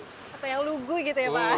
katanya lugu gitu ya pak